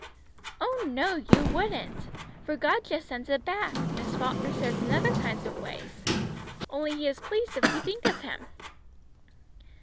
"Oh, no, you wouldn't, for God just sends it back, Miss Falkner says in other kind of ways. Only He is pleased if we think of Him."